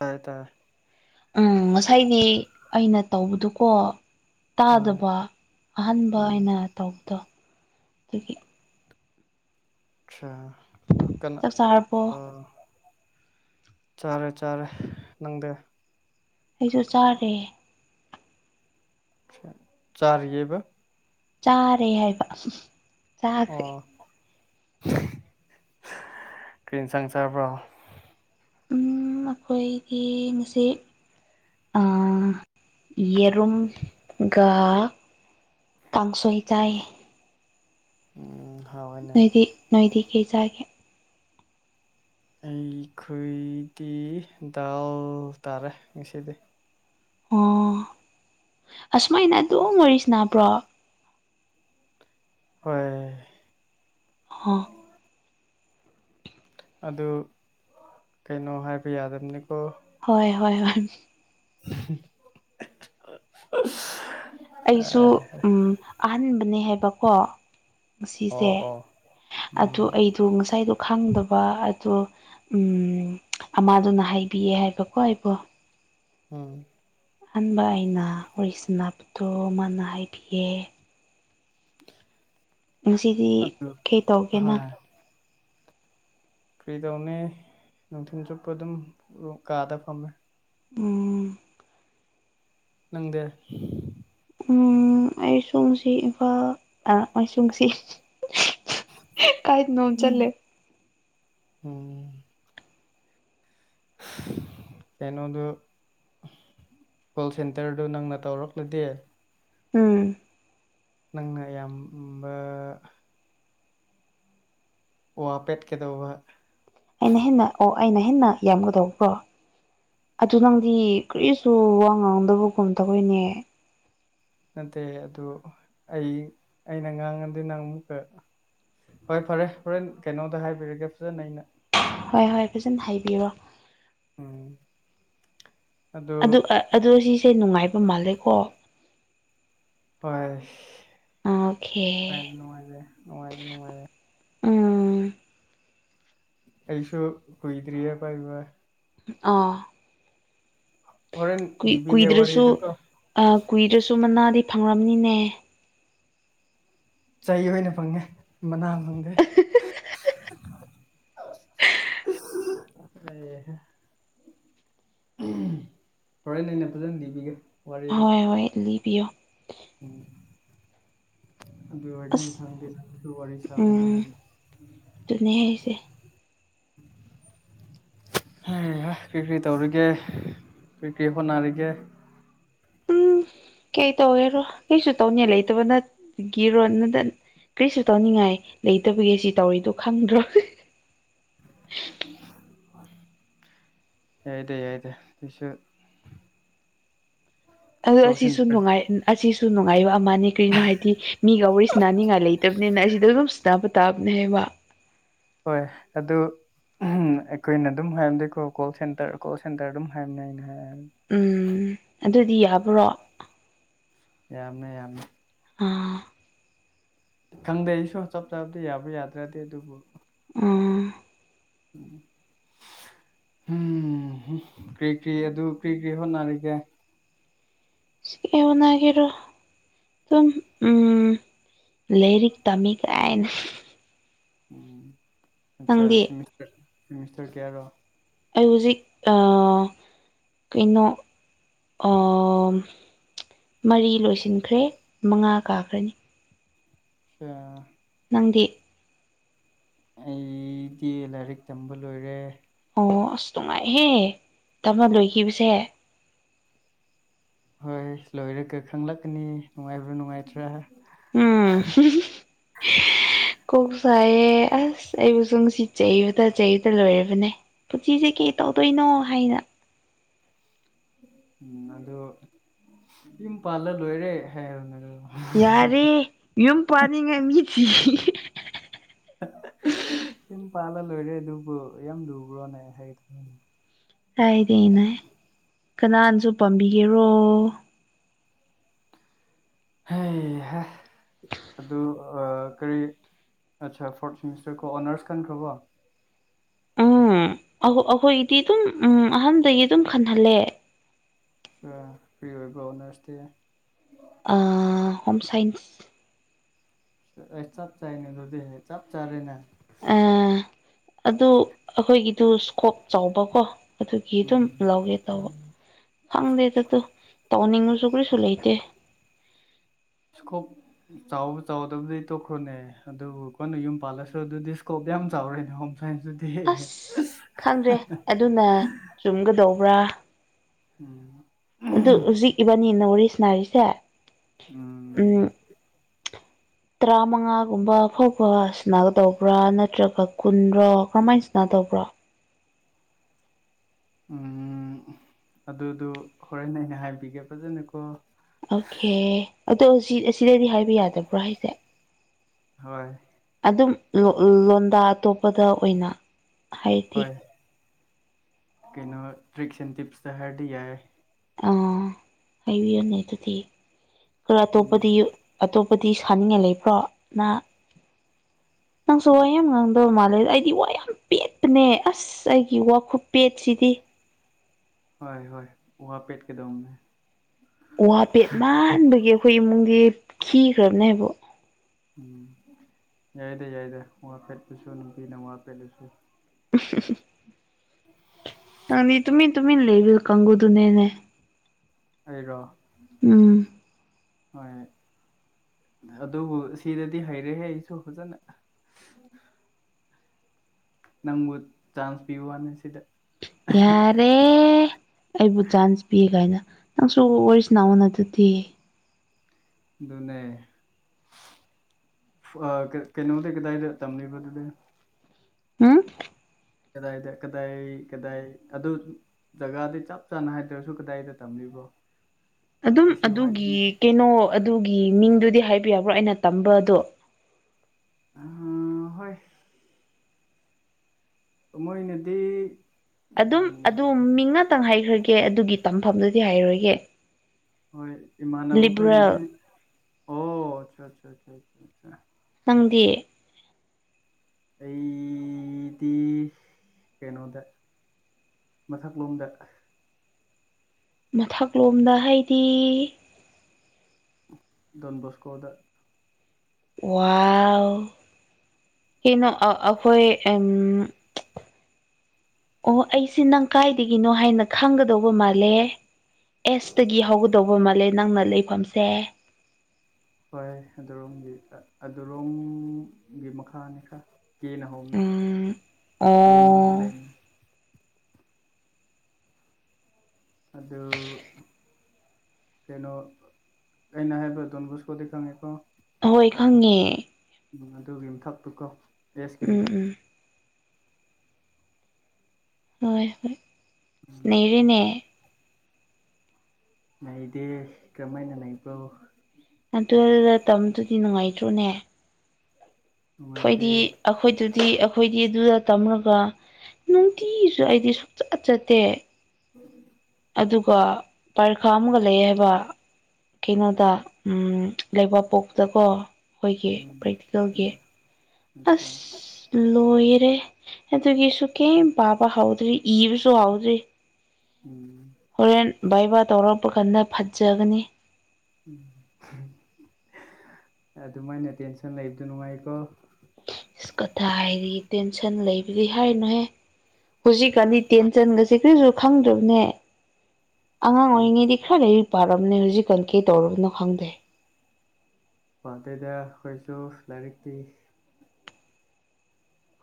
ꯇꯥꯏ ꯇꯥꯏ ꯎꯝ ꯉꯁꯥꯏꯗꯤ ꯑꯩꯅ ꯇꯧꯕꯗꯨ ꯀꯣ ꯍꯣꯏ ꯇꯥꯗꯕ ꯑꯍꯟꯥꯟꯕ ꯎꯝ ꯑꯣꯏꯅ ꯇꯧꯕꯗꯣ ꯑꯗꯨꯗꯒꯤꯦ ꯑꯆꯥ ꯀꯅꯥ ꯆꯥꯛ ꯆꯥꯔꯕꯣ ꯑ ꯆꯥꯔꯦ ꯆꯥꯔꯦ ꯅꯪꯗꯦ ꯑꯩꯁꯨ ꯆꯥꯔꯦ ꯆꯥ ꯌꯕ ꯆꯥꯔꯦ ꯍꯥꯏꯕ ꯆꯥꯈ꯭ꯔꯦ ꯀ꯭ꯔꯤꯟ ꯆꯪ ꯆꯕ꯭ꯔꯣ ꯑꯩꯈꯣꯏꯒꯤ ꯉꯁꯤ ꯑ ꯌꯦꯔꯨꯝꯒ ꯀꯁꯣꯏ ꯆꯥꯏ ꯎꯝ ꯍꯥꯎꯋꯦꯅꯦ ꯅꯣꯏꯗꯤ ꯅꯣꯏꯗꯤ ꯀꯩ ꯆꯥꯒꯦ ꯑꯩꯈꯗꯤ ꯗꯥꯎ ꯇꯥꯔꯦ ꯉꯁꯤꯗꯤ ꯑꯣ ꯑꯁꯨꯃꯥꯏꯅ ꯑꯗꯨꯝ ꯋꯥꯔꯤꯁꯤ ꯕ꯭ꯔꯣ ꯍꯣꯏ ꯍꯥ ꯑꯗꯨ ꯀꯩꯅꯣ ꯍꯥꯏꯕ ꯌꯥꯗꯕꯅꯤꯀꯣ ꯍꯣꯏ ꯍꯣꯏ ꯍꯣꯏ [unintelligible] ꯑꯩꯁꯨ ꯎꯝ ꯑꯍꯟꯕꯅꯦ ꯍꯥꯏꯕꯀꯣ ꯑꯣ ꯉꯁꯤꯁꯦ ꯑꯣ ꯑꯗꯨ ꯎꯝ ꯑꯩꯗꯣ ꯉꯁꯥꯏꯗꯣ ꯈꯪꯗꯕ ꯑꯗꯨ ꯎꯝ ꯑꯃꯥꯗꯨꯅ ꯍꯥꯏꯕꯤꯌꯦ ꯍꯥꯏꯕꯀꯣ ꯑꯩꯕꯨ ꯎꯝ ꯑꯍꯥꯟꯕ ꯑꯩꯅ ꯋꯔꯤ ꯁꯅꯥꯄꯇꯣ ꯃꯥꯅ ꯍꯥꯏꯕꯤꯌꯦ ꯉꯁꯤꯗꯤ ꯑꯗꯨ ꯀꯩ ꯇꯧꯒꯦꯅ ꯀꯔꯤꯗꯧꯅꯤ ꯅꯨꯡꯊꯤꯟ ꯆꯨꯞꯄ ꯑꯗꯨꯝ ꯀꯥꯗ ꯐꯝꯃꯦ ꯎꯝ ꯅꯪꯗꯤ ꯎꯝ ꯑꯩꯁꯨ ꯑꯁꯤ ꯏꯝꯐꯥꯜ ꯑꯩꯁꯨ ꯉꯁꯤ ꯀꯥꯏꯗꯅꯣꯃꯥ ꯆꯠꯂꯦ ꯎꯝ ꯀꯩꯅꯣ ꯑꯗꯨ ꯀꯣꯜ ꯁꯦꯟꯇꯔꯗꯨ ꯅꯪꯅ ꯇꯧꯔꯛꯂꯗꯤ ꯎꯝ ꯅꯪꯅ ꯑꯌꯥꯝꯕ ꯋꯥ ꯄꯦꯠꯀꯗꯧꯕ ꯑꯩꯅ ꯍꯦꯟꯅ ꯑꯣ ꯑꯩꯅ ꯍꯦꯟꯅ ꯌꯥꯝꯒꯗꯧꯕ꯭ꯔꯣ ꯑꯗꯨ ꯅꯪꯗꯤ ꯀꯔꯤꯁꯨ ꯋꯥ ꯉꯥꯡꯗꯕꯒꯨꯝ ꯇꯧꯋꯦꯅꯦ ꯅꯠꯇꯦ ꯑꯗꯨ ꯑꯩ ꯑꯩꯅ ꯉꯥꯡꯉꯗꯤ ꯅꯪ ꯑꯃꯨꯛꯀ ꯍꯣꯏ ꯐꯔꯦ ꯍꯣꯔꯦꯟ ꯀꯩꯅꯣꯗ ꯍꯥꯏꯕꯤꯔꯒꯦ ꯐꯖꯅ ꯑꯩꯅ ꯍꯣꯏ ꯍꯣꯏ ꯐꯖꯅ ꯍꯥꯏꯕꯤꯔꯣ ꯎꯝ ꯑꯗꯨ ꯑꯗꯨ ꯁꯤꯁꯦ ꯅꯨꯡꯉꯥꯏꯕ ꯃꯥꯜꯂꯦꯀꯣ ꯍꯣꯏ ꯑꯣꯀꯦ ꯅꯨꯡꯉꯥꯏ ꯅꯨꯡꯉꯥꯏꯌꯦ ꯅꯨꯡꯉꯥꯏꯌꯦ ꯅꯨꯡꯉꯥꯏꯌꯦ ꯎꯝ ꯑꯩꯁꯨ ꯀꯨꯏꯗ꯭ꯔꯤꯌꯦ ꯄꯥꯏꯕ ꯑꯥ ꯍꯣꯔꯦꯟ ꯨꯏ ꯂꯤꯕꯤꯒꯦ ꯀꯨꯏꯗ꯭ꯔꯁꯨ ꯋꯥꯔꯤꯗꯨꯀꯣ ꯀꯨꯏꯗ꯭ꯔꯁꯨ ꯃꯅꯥꯗꯤ ꯐꯪꯂꯝꯅꯤꯅꯦ ꯆꯩ ꯑꯣꯏꯅ ꯐꯪꯉꯦ ꯃꯅꯥ ꯐꯪꯗꯦ ꯑꯦ [unintelligible] ꯍꯣꯔꯦꯟ ꯑꯣꯏꯅ ꯐꯖꯅ ꯂꯤꯕꯤꯒꯦ ꯋꯥꯔꯤꯗꯣ ꯍꯣꯏ ꯍꯣꯏ ꯂꯤꯕꯤꯌꯣ ꯎꯝ ꯑꯗꯨ ꯑꯣꯏꯔꯗꯤ ꯑꯁ ꯃꯊꯪ ꯋꯥꯔꯤ ꯁꯥꯕ ꯅꯨꯡꯉꯥꯏꯔꯦꯗꯅ ꯑꯦ [unintelligible] ꯀꯔꯤ ꯀꯔꯤ ꯇꯧꯔꯤꯒꯦ ꯀꯔꯤ ꯀꯔꯤ ꯍꯣꯠꯅꯔꯤꯒꯦ ꯎ ꯎꯝ [unintelligible] ꯀꯩ ꯇꯧꯋꯦꯔꯣ ꯀꯩꯁꯨ ꯇꯧꯗꯦ [unintelligible] ꯂꯩꯇꯕꯅꯒꯤꯔꯣ ꯅꯗ ꯀꯔꯤꯁꯨ ꯇꯧꯅꯤꯡꯉꯥꯏ ꯂꯩꯇꯕꯒꯤ ꯁꯤ ꯇꯧꯔꯤꯗꯣ ꯈꯪꯗ꯭ꯔꯣ ꯎ [unintelligible] ꯌꯥꯏꯗ ꯌꯥꯏꯗ ꯑꯩꯁꯨ ꯀꯣꯜ ꯑꯁꯤꯁꯨ ꯁꯦꯟꯇꯔ ꯅꯨꯡꯉꯥꯏ ꯑꯁꯤꯁꯨ ꯅꯨꯡꯉꯥꯏꯕ ꯑꯃꯅꯤ ꯀꯔꯤꯅꯣ ꯍꯥꯏꯗꯤ ꯃꯤꯒ ꯋꯥꯔꯤꯁꯤꯅꯅꯤꯡꯉꯥꯏ ꯂꯩꯇꯕꯅꯤꯅ ꯑꯩꯗ ꯑꯗꯨꯝ ꯁꯤꯕ ꯇꯥꯕꯅꯦ ꯍꯥꯏꯕ ꯍꯣꯏ ꯑꯗꯨ ꯎꯝ ꯑꯩꯈꯣꯏꯅ ꯑꯗꯨꯝ ꯍꯥꯏꯔꯝꯗꯤꯀꯣ ꯀꯣꯜ ꯁꯦꯟꯇꯔ ꯀꯣꯜ ꯁꯦꯟꯇꯔ ꯑꯗꯨꯝ ꯍꯥꯏꯔꯝꯅꯦ ꯑꯩꯅ ꯍꯥꯏ ꯎꯝ ꯑꯗꯨꯗꯤ ꯌꯥꯕ꯭ꯔꯣ ꯌꯥꯕꯅꯦ ꯌꯥꯕꯅꯦ ꯑꯥ [unintelligible] ꯈꯪꯗꯦ ꯑꯩꯁꯨ ꯆꯞ ꯆꯥꯕꯗꯤ ꯌꯥꯕ꯭ꯔ ꯌꯥꯗ꯭ꯔꯗꯤ ꯑꯗꯨꯕꯨ ꯎꯝ [unintelligible] ꯎꯝ ꯀꯔꯤ ꯀꯔꯤ ꯑꯗꯨ ꯀꯔꯤ ꯀꯔꯤ ꯍꯣꯠꯅꯔꯤꯒꯦ ꯀꯩ ꯍꯣꯠꯅꯒꯦꯔꯣ ꯑꯗꯨꯝ ꯎꯝ ꯂꯥꯏꯔꯤꯛ ꯇꯝꯃꯤ ꯀꯥꯏꯅ ꯎꯝ ꯑꯆꯥ ꯅꯪꯗꯤ ꯁꯦꯃꯤꯁꯇꯔ ꯁꯦꯃꯤꯁꯇꯔ ꯀꯌꯥꯔꯣ ꯑꯩ ꯍꯧꯖꯤꯛ ꯑ ꯀꯩꯅꯣ ꯑ ꯃꯔꯤ ꯂꯣꯏꯁꯤꯟꯈ꯭ꯔꯦ ꯃꯉꯥ ꯀꯥꯈ꯭ꯔꯅꯤ ꯑꯆꯥ ꯅꯪꯗꯤ ꯑꯩꯗꯤ ꯂꯥꯏꯔꯤꯛ ꯇꯝꯕ ꯂꯣꯏꯔꯦ ꯑꯣ ꯑꯁ ꯅꯨꯡꯉꯥꯏꯍꯦ ꯇꯝꯕ ꯂꯣꯏꯈꯤꯕꯁꯦ ꯍꯣꯏ ꯂꯣꯏꯔꯒ ꯈꯪꯂꯛꯀꯅꯤ ꯅꯨꯡꯉꯥꯏꯕ꯭ꯔ ꯅꯨꯡꯉꯥꯏꯇ꯭ꯔ ꯎꯝ ꯀꯣꯛ ꯆꯥꯏꯑꯦ ꯑꯁ ꯑꯩꯕꯨꯁꯨ ꯉꯁꯤ ꯆꯩꯕꯗ ꯆꯩꯕꯗ ꯂꯣꯏꯔꯕꯅꯦ ꯄꯨꯟꯁꯤꯁꯦ ꯀꯩ ꯇꯧꯗꯣꯏꯅꯣ ꯍꯥꯏꯅ ꯎꯝ ꯑꯗꯨ ꯌꯨꯝꯄꯥꯜꯂ ꯂꯣꯏꯔꯦ ꯍꯥꯏꯔꯣꯅ ꯑꯗꯣ [unintelligible] ꯌꯥꯔꯦ ꯌꯨꯝ ꯄꯥꯟꯅꯤꯡꯉꯥꯏ ꯃꯤ ꯊꯤꯔꯤ ꯌꯨꯝ ꯄꯥꯜꯂ ꯂꯣꯏꯔꯦ ꯑꯗꯨꯕꯨ ꯌꯥꯝ ꯂꯨꯕ꯭ꯔꯣꯅꯦ ꯍꯥꯏꯗꯤ ꯍꯥꯏꯗꯦꯅꯦ ꯀꯅꯥꯅꯁꯨ ꯄꯥꯝꯕꯤꯒꯦꯔꯣ ꯍꯦ ꯍꯦ ꯑꯗꯨ ꯀꯔꯤ ꯑꯆꯥ ꯐꯣꯔꯠ ꯁꯃꯤꯁꯇꯔꯀꯣ ꯑꯣꯅꯔꯁ ꯈꯜꯈꯔꯕꯣ ꯑꯩꯈꯣꯏꯗꯤ ꯑꯗꯨꯝ ꯎꯝ ꯑꯍꯟꯗꯒꯤ ꯑꯗꯨꯝ ꯈꯟꯍꯜꯂꯦ ꯀꯔꯤ ꯑꯣꯏꯕꯔ ꯑꯣꯅꯔꯁꯇꯤ ꯑ ꯍꯣꯝ ꯁꯥꯏꯟꯁ ꯆꯞ ꯆꯥꯏꯅꯦ ꯑꯗꯨꯗꯤ ꯆꯞ ꯆꯥꯔꯦꯅꯦ ꯑ ꯑꯗꯨ ꯑꯩꯈꯣꯏꯒꯤꯗꯨ ꯏꯁꯀꯣꯞ ꯆꯥꯎꯕꯀꯣ ꯑꯗꯨꯒꯤ ꯑꯗꯨꯝ ꯎꯝ ꯂꯧꯒꯦ ꯇꯧꯕ ꯈꯪꯗꯦꯗꯣ ꯇꯧꯅꯤꯡꯉꯥꯏꯁꯨ ꯀꯩꯝꯇ ꯂꯩꯇꯦ ꯏꯁꯀꯣꯞ ꯆꯥꯎꯕ ꯆꯥꯎꯗꯕꯗꯤ ꯇꯣꯛꯈ꯭ꯔꯣꯅꯦ ꯑꯗꯨꯕꯨ ꯑꯩꯈꯣꯏꯅ ꯌꯨꯝ ꯄꯥꯜꯂꯁꯨ ꯑꯗꯨꯗꯤ ꯏꯁꯀꯣꯞ ꯌꯥꯝ ꯆꯥꯎꯔꯦꯅꯦ ꯍꯣꯝ ꯁꯥꯏꯟꯁꯇꯨꯗꯤ ꯑꯁ ꯈꯪꯗ꯭ꯔꯦ ꯑꯗꯨꯅ ꯆꯨꯝꯒꯗꯧꯕ꯭ꯔ ꯎꯝ ꯑꯗꯨ ꯍꯧꯖꯤꯛ ꯏꯕꯥꯅꯤꯅ ꯋꯥꯔꯤꯁꯅꯥꯔꯤꯁꯦ ꯎꯝ ꯇꯔꯥꯃꯉꯥꯒꯨꯝꯕ ꯐꯥꯎꯕ ꯁꯥꯅꯒꯗꯧꯕ꯭ꯔ ꯅꯠꯇ꯭ꯔꯒ ꯀꯨꯟꯔꯣ ꯀꯔꯝꯍꯥꯏꯅ ꯁꯥꯅ ꯇꯧꯕ꯭ꯔ ꯎꯝ ꯑꯗꯨꯗꯨ ꯍꯣꯔꯦꯟ ꯑꯩꯅ ꯍꯥꯏꯕꯤꯒꯦ ꯐꯖꯅꯀꯣ ꯑꯣꯀꯦ ꯑꯗꯣ ꯑꯁꯤꯗꯗꯤ ꯍꯥꯏꯕ ꯌꯥꯗꯕ꯭ꯔꯣ ꯍꯥꯏꯁꯦ ꯍꯣꯏ ꯑꯗꯨꯝ ꯂꯣꯟꯗꯥ ꯑꯇꯣꯞꯄꯗ ꯑꯣꯏꯅ ꯍꯥꯏꯗꯤ ꯍꯣꯏ ꯀꯩꯅꯣ ꯇꯔꯤꯛꯁ ꯑꯦꯟ ꯇꯤꯞꯁꯇ ꯍꯥꯏꯔꯗꯤ ꯌꯥꯏ ꯑ ꯍꯥꯏꯕꯤꯌꯨꯅꯦ ꯑꯗꯨꯗꯤ ꯈꯔ ꯎꯝ ꯑꯇꯣꯞꯄꯗꯤ ꯕꯨꯗꯤ ꯁꯥꯅꯤꯡꯉꯥꯏ ꯂꯩꯕ꯭ꯔꯣ ꯅꯪ [inaudible] ꯅꯪꯁꯨ ꯋꯥ ꯌꯥꯝ ꯉꯥꯡꯗꯕ ꯃꯥꯜꯂꯦ ꯑꯩꯗꯤ ꯋꯥ ꯌꯥꯝ ꯄꯦꯠꯄꯅꯦ ꯑꯁ ꯑꯩꯒꯤ ꯋꯥ ꯈꯨꯄꯦꯠꯁꯤꯗꯤ ꯍꯣꯏ ꯍꯣꯏ ꯋꯥꯄꯦꯠ ꯀꯗꯧꯅꯦ ꯋꯥ ꯄꯦꯠ ꯃꯟꯕꯒꯤ ꯑꯩꯈꯣꯏ ꯏꯃꯨꯡꯗꯤ ꯈꯤꯈꯔꯕꯅꯦꯕꯣ ꯎꯝ ꯌꯥꯏꯗ ꯌꯥꯏꯗ ꯋꯥ ꯄꯦꯠꯄꯁꯨ ꯅꯨꯄꯤꯅ ꯋꯥ ꯄꯦꯠꯂꯁꯨ [unintelligible] ꯑꯪꯅꯤ ꯇꯃꯤ ꯇꯃꯤ ꯂꯩꯕꯤ ꯀꯪꯒꯨꯗꯨꯅꯦꯅꯦ ꯑꯩꯔꯣ ꯎꯝ ꯍꯣꯏ ꯑꯗꯨꯕꯨ ꯁꯤꯗꯗꯤ ꯍꯩꯔꯦꯍꯦ ꯑꯩꯁꯨ ꯐꯖꯅ ꯅꯪꯕꯨ ꯆꯥꯟꯁ ꯄꯤꯕ ꯋꯥꯅꯤ ꯁꯤꯗ ꯌꯥꯔꯦ ꯑꯩꯕꯨ ꯆꯥꯟꯁ ꯄꯤ ꯀꯥꯏꯅ ꯅꯪꯁꯨꯣ ꯑꯣꯏꯣꯏꯁꯅꯎꯅ ꯑꯗꯨꯗꯤ ꯑꯗꯨꯅꯦ ꯑ ꯀ ꯀꯩꯅꯣꯗꯤ ꯀꯗꯥꯏꯗ ꯇꯝꯅꯤꯕꯗꯨꯗ ꯍꯥꯝ ꯀꯗꯥꯏꯗ ꯀꯗꯥꯏ ꯀꯗꯥꯏ ꯑꯗꯨ ꯖꯒꯥꯗꯤ ꯆꯞ ꯆꯥꯅ ꯍꯥꯏꯗ꯭ꯔꯁꯨ ꯀꯗꯥꯏꯗ ꯇꯝꯂꯤꯕ ꯑꯣ ꯑꯗꯨꯝ ꯑꯗꯨꯒꯤ ꯀꯩꯅꯣ ꯑꯗꯨꯒꯤ ꯃꯤꯡꯗꯨ ꯗꯤ ꯍꯥꯏꯕ ꯌꯥꯕ꯭ꯔꯣ ꯑꯩꯅ ꯇꯝꯕꯗꯣ ꯍꯣꯏ ꯃꯣꯏꯅꯗꯤ ꯑꯗꯨꯝ ꯑꯗꯨ ꯃꯤꯡ ꯉꯥꯛꯇꯪ ꯍꯥꯏꯈ꯭ꯔꯒꯦ ꯑꯗꯨꯒꯤ ꯇꯝꯐꯝꯗꯨꯗꯤ ꯍꯥꯏꯔꯣꯏꯒꯦ ꯍꯣꯏ ꯏꯃꯥꯟꯅꯕ ꯂꯤꯕꯔꯦꯜ ꯐꯩꯅꯗꯤ ꯑꯣ ꯑ ꯑ ꯅꯪꯗꯤ ꯑꯩꯗꯤ ꯀꯩꯅꯣꯗ ꯃꯊꯛꯂꯣꯝꯗ ꯃꯊꯛꯂꯣꯝꯗ ꯍꯥꯏꯗꯤ ꯗꯣꯟꯕꯣꯁꯀꯣꯗ ꯋꯥꯎ ꯀꯩꯅꯣ ꯑ ꯑꯩꯈꯣꯏ ꯎ ꯑꯣ ꯑꯩꯁꯦ ꯅꯪ ꯀꯥꯏꯗꯒꯤꯅꯣ ꯍꯥꯏꯅ ꯈꯪꯒꯗꯧꯕ ꯃꯥꯜꯂꯦ ꯑꯦꯁꯇꯒꯤ ꯍꯧꯒꯗꯧꯕ ꯃꯥꯜꯂꯦ ꯅꯪꯅ ꯂꯩꯐꯝꯁꯦ ꯍꯣꯏ ꯑꯗꯨꯔꯣꯝꯒꯤ ꯑꯗꯨꯔꯣꯝꯒꯤ ꯃꯈꯥꯅꯤ ꯈꯔ ꯀ ꯅꯍꯅꯦ ꯎꯝ ꯑꯣ ꯀ ꯃꯔꯗ ꯂꯩ ꯑꯗꯣ ꯀꯩꯅꯣ ꯑꯩꯅ ꯍꯥꯏꯕ꯭ꯔ ꯑꯗꯨꯣꯟꯒꯁꯀꯣꯗꯤ ꯈꯪꯉꯤꯀꯣ ꯍꯣꯏ ꯈꯪꯉꯦ ꯎꯝ ꯑꯗꯨꯒꯤ ꯃꯊꯛꯇꯨ ꯀꯣ ꯑꯦꯦꯁꯀꯤ ꯎꯝ ꯃꯊꯛ ꯎꯝ ꯍꯣꯏ ꯍꯣꯏ ꯁꯅꯦꯔꯤꯅꯦ ꯂꯩꯗꯦ ꯀꯔꯝꯍꯥꯏꯅ ꯂꯩꯕ꯭ꯔꯣ ꯑꯗꯨꯗ ꯇꯝꯕꯗꯨꯗꯤ ꯅꯨꯡꯉꯥꯏꯇ꯭ꯔꯣꯅꯦ ꯅꯨꯡꯉꯥꯏꯇꯦ ꯑꯩꯈꯣꯏꯗꯤ ꯑꯩꯈꯣꯏꯗꯨꯗꯤ ꯑꯩꯈꯣꯏꯗꯤ ꯑꯗꯨꯗ ꯇꯝꯔꯒ ꯅꯨꯡꯇꯤꯁꯨ ꯑꯩꯗꯤ ꯁꯨꯡꯛꯆꯠ ꯆꯠꯇꯦ ꯎꯝ ꯑꯗꯨꯒ ꯄꯔꯤꯈꯥ ꯑꯃꯒ ꯂꯩ ꯍꯥꯏꯕ ꯀꯩꯅꯣꯗ ꯎ ꯂꯩꯕꯥꯛ ꯄꯣꯛꯄꯗꯀꯣ ꯑꯩꯈꯣꯏꯒꯤ ꯎꯝ ꯄ꯭ꯔꯦꯛꯇꯤꯀꯦꯜꯒꯤ ꯎꯝ ꯑꯠꯆꯥ ꯑꯁ ꯂꯣꯏꯌꯦ ꯑꯦ ꯑꯗꯨꯒꯤꯁꯨ ꯀꯦ ꯕꯥ ꯍꯥꯎꯗ꯭ꯔꯔꯤ ꯏꯕꯁꯨ ꯍꯥꯎꯗ꯭ꯔꯤ ꯎꯝ ꯍꯣꯔꯦꯟ ꯕꯥꯏ ꯕꯥ ꯇꯧꯔꯛꯄ ꯀꯥꯟꯗ ꯐꯠꯖꯒꯅꯤ ꯎꯝ ꯑꯗꯨꯃꯥꯏꯅ ꯇꯦꯟꯁꯟ ꯂꯩꯕꯗꯣ ꯅꯨꯡꯉꯥꯏꯀꯣ ꯑꯁ ꯀꯊꯥ ꯍꯥꯏꯔꯤ ꯇꯦꯟꯁꯟ ꯂꯩꯕꯗꯤ ꯍꯥꯏꯔꯤꯅꯨꯍꯦ ꯍꯧꯖꯤꯛꯀꯥꯟꯗꯤ ꯇꯦꯟꯁꯟꯒꯁꯦ ꯀꯔꯤꯁꯨ ꯈꯪꯗ꯭ꯔꯕꯅꯦ ꯑꯉꯥꯡ ꯑꯗꯨ ꯑꯣꯏꯔꯤꯉꯩꯗꯤ ꯈꯔꯗꯤ ꯄꯥꯔꯝꯅꯦ ꯍꯧꯖꯤꯛ ꯀꯟ ꯀꯩ ꯇꯧꯔꯕꯅꯣ ꯈꯪꯗꯦ ꯄꯗꯇꯩꯗ ꯑꯩꯈꯣꯏꯁꯨ ꯂꯥꯏꯔꯤꯛꯇꯤ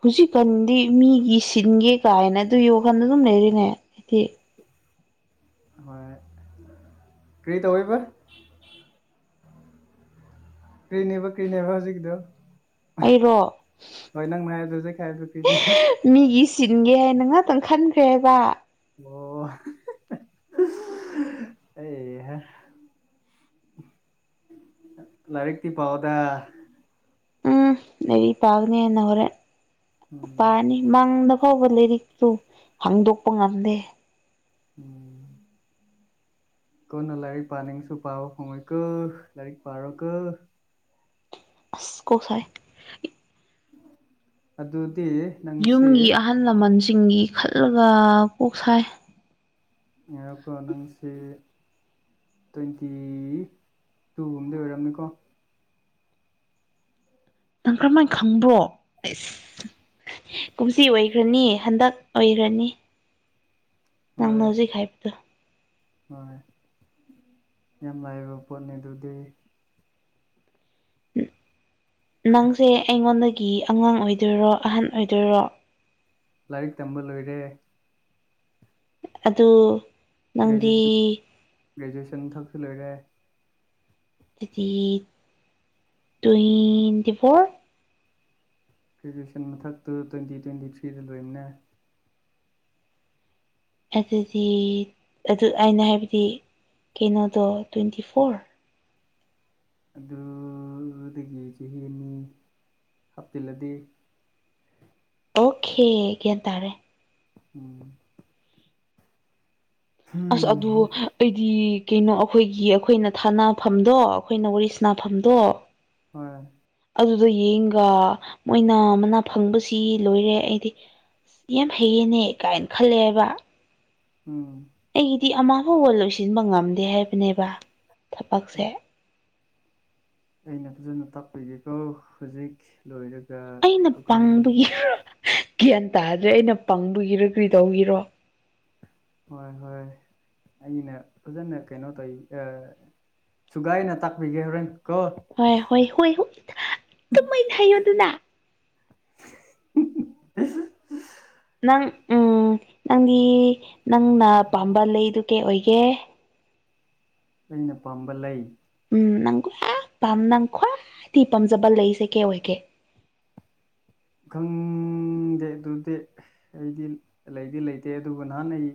ꯍꯧꯖꯤꯛꯀꯥꯟꯗꯤ ꯃꯤꯒꯤ ꯁꯤꯟꯒꯦ ꯀꯥꯏꯅ ꯑꯗꯨ ꯌꯣꯀꯥꯟꯗ ꯑꯗꯨꯝ ꯂꯩꯔꯤꯅꯦ ꯍꯥꯏ ꯍꯣꯏ ꯀꯔꯤ ꯇꯧꯋꯕ ꯀ꯭ꯔꯤꯅꯦꯕ ꯀ꯭ꯔꯤꯅꯦꯕ ꯍꯧꯖꯤꯛꯀꯤꯗ ꯑꯩꯔꯣ ꯍꯧꯖꯤꯛ ꯍꯥꯏꯕꯗꯣ ꯀꯔꯤꯅꯦꯕ ꯃꯤꯒꯤ ꯆꯤꯟꯒꯦ ꯍꯥꯏꯅꯅꯥꯛ ꯑꯗꯨꯪ ꯈꯟꯈ꯭ꯔꯦꯕ ꯑꯣ ꯑꯦꯍ ꯂꯥꯏꯔꯤꯛꯛꯇꯛꯇꯤ ꯄꯥꯎꯗ ꯎꯝ ꯂꯩꯔꯤ ꯄꯥꯒꯅꯤꯅ ꯍꯣꯔꯦꯟ ꯎꯝ ꯄꯥꯅꯤ ꯃꯥꯡꯗ ꯑꯐꯕ ꯂꯥꯏꯔꯤꯛꯇꯛꯇꯨ ꯍꯥꯡꯗꯣꯛꯄ ꯉꯝꯗꯦ ꯎꯝ ꯀꯣꯟꯅ ꯂꯥꯏꯔꯤꯛ ꯄꯥꯅꯤꯡꯁꯨ ꯄꯥ ꯍꯣꯡꯉꯣꯏꯀꯣ ꯂꯥꯏꯔꯤꯛ ꯄꯥꯔꯣ ꯀꯣ ꯑꯁ ꯀꯣꯁꯥꯏ ꯑꯗꯨ ꯌꯨꯝꯒꯤ ꯑꯍꯜ ꯂꯃꯟꯁꯤꯡꯒꯤ ꯈꯜꯂꯒ ꯀꯣꯛ ꯁꯥꯏ ꯌꯥꯀꯣꯅꯪꯁꯤ ꯇ꯭ꯋꯦꯟꯇꯤ ꯇꯨꯒꯨꯝꯕꯗꯤ ꯑꯣꯏꯔꯝꯅꯤꯀꯣ ꯅꯪ ꯀꯔꯝꯍꯥꯏꯅ ꯈꯪꯕ꯭ꯔꯣ ꯑꯩꯁ ꯀꯨꯝꯁꯤ ꯑꯣꯏꯈ꯭ꯔꯅꯤ ꯍꯟꯗꯛ ꯑꯣꯏꯈ꯭ꯔꯅꯤ ꯅꯪꯅ ꯍꯣꯏ ꯍꯧꯖꯤꯛ ꯍꯥꯏꯕꯗꯨꯣ ꯍꯣꯏ ꯌꯥꯝ ꯂꯥꯏꯕ ꯄꯣꯠꯅꯤ ꯑꯗꯨꯗꯤ ꯅꯪꯁꯦ ꯑꯩꯉꯣꯟꯗꯒꯤ ꯑꯉꯥꯡ ꯑꯣꯏꯗꯣꯏꯔꯣ ꯑꯍꯟ ꯑꯣꯏꯗꯣꯏꯔꯣ ꯂꯥꯏꯛ ꯇꯝꯕ ꯂ ꯑꯣꯏꯣꯏꯔꯦ ꯑꯗꯨ ꯅꯪꯗꯤ ꯒ꯭ꯔꯦꯖꯨꯑꯦꯁꯟ ꯊꯛꯆꯜꯂꯔꯦ ꯇ꯭ꯋꯦꯟꯇꯤ ꯐꯣꯔ ꯒ꯭ꯔꯦꯖꯨꯋꯦꯁꯟ ꯃꯊꯛꯇꯨ ꯇ꯭ꯋꯦꯟꯇꯤ ꯇ꯭ꯋꯦꯟꯇꯤ ꯊ꯭ꯔꯤꯗ ꯂꯣꯏꯕꯅꯦ ꯑꯗꯨꯗꯤ ꯑꯗꯨ ꯑꯩꯅ ꯍꯥꯏꯕꯗꯤ ꯀꯩꯅꯣꯗꯣ ꯇ꯭ꯋꯦꯟꯇꯤ ꯐꯣꯔ ꯑꯗꯨ ꯑꯗꯨꯗꯒꯤ ꯆꯍꯤ ꯑꯅꯤ ꯍꯥꯞꯆꯤꯜꯂꯗꯤ ꯑꯣꯀꯦ ꯀꯦ ꯇꯥꯔꯦ ꯎꯝ ꯑꯁ ꯑꯗꯨ ꯎꯝ ꯑꯩꯗꯤ ꯀꯩꯅꯣ ꯑꯩꯈꯣꯏꯒꯤ ꯑꯩꯈꯣꯏꯅ ꯊꯥꯅꯐꯝꯗꯣ ꯑꯩꯈꯣꯏꯅ ꯋꯥꯔꯤ ꯁꯅꯥꯐꯝꯗꯣ ꯍꯣꯏ ꯑꯗꯨꯗꯣ ꯌꯦꯡꯒ ꯃꯣꯏꯅ ꯃꯅꯥ ꯐꯪꯕꯁꯤ ꯂꯣꯏꯔꯦ ꯑꯩꯗꯤ ꯌꯥꯝ ꯍꯩꯌꯦꯅꯦ ꯀꯥꯏꯅ ꯈꯜꯂꯦꯕ ꯎꯝ ꯑꯩꯒꯤꯗꯤ ꯑꯃ ꯐꯥꯎꯕ ꯂꯣꯏꯁꯤꯟꯕ ꯉꯝꯗꯦ ꯍꯥꯏꯕꯅꯦꯕ ꯊꯕꯛꯁꯦ ꯑꯩꯅ ꯐꯖꯅ ꯇꯥꯛꯄꯤꯒꯦꯀꯣ ꯍꯧꯖꯤꯛ ꯂꯣꯏ ꯑꯩꯅ ꯄꯪꯕꯒꯤ ꯒ꯭ꯌꯥꯟ ꯇꯥꯗ꯭ꯔꯦ ꯑꯩꯅ ꯄꯪꯕꯒꯤꯔ ꯀꯔꯤꯗꯧꯒꯤꯔꯣ ꯍꯣꯏ ꯍꯣꯏ ꯑꯩꯅ ꯐꯖꯅ ꯀꯩꯅꯣ ꯇꯧꯋ ꯁꯨꯒꯥꯏꯅ ꯇꯥꯛꯄꯤꯒꯦ ꯍꯣꯔꯦꯟ ꯀꯣ ꯍꯣꯏ ꯍꯣꯏ ꯍꯣꯏ ꯇꯨꯝꯃꯩꯅ ꯍꯥꯏꯌꯣ ꯑꯗꯨꯅ [unintelligible] ꯅꯪ ꯎꯝ ꯅꯪꯗꯤ ꯅꯪꯅ ꯄꯥꯝꯕ ꯂꯩꯗꯨ ꯀꯩ ꯑꯣꯏꯒꯦ ꯑꯩꯅ ꯄꯥꯝꯕ ꯂꯩ ꯎꯝ ꯅꯪ ꯈ꯭ꯋꯥ ꯅꯪ ꯈ꯭ꯋꯥꯏꯗꯗꯒꯤ ꯄꯥꯝꯖꯕ ꯂꯩꯁꯦ ꯀꯩ ꯑꯣꯏꯒꯦ ꯈꯪ ꯈꯪꯗꯦ ꯑꯗꯨꯗꯤ ꯑꯩꯗꯤ ꯂꯩꯗꯤ ꯂꯩꯇꯦ ꯑꯗꯨꯕꯨ ꯅꯍꯥꯟ ꯑꯩ